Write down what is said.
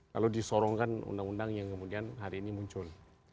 lalu disorongkan undang undang yang kemudian hari ini muncul